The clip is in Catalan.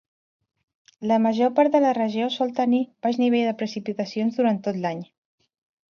La major part de la regió sol tenir baix nivell de precipitacions durant tot l'any.